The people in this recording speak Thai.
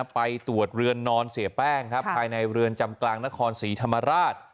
ไปตรวจเรือนนอนเสียแป้งครับภายในเรือนจำกลางนครศรีธรรมราช